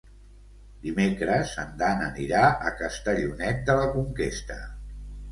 Dimecres en Dan anirà a Castellonet de la Conquesta.